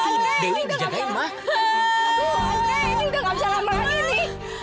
ini udah gak bisa lama lagi nih